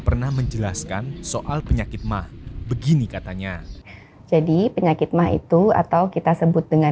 pernah menjelaskan soal penyakit mah begini katanya jadi penyakit mah itu atau kita sebut dengan